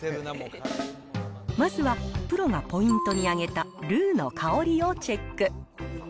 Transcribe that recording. まずは、プロがポイントに挙げたルーの香りをチェック。